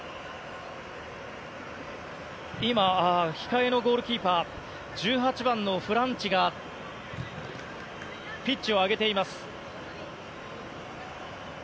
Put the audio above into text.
控えのゴールキーパー１８番のフランチがピッチを上げています。